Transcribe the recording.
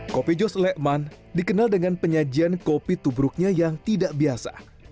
kopi jos lekman dikenal dengan penyajian kopi tubruknya yang tidak biasa